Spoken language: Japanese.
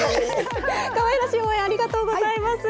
かわいらしい応援ありがとうございます。